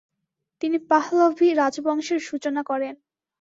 তিনি পাহলভী রাজবংশের সূচনা করেন।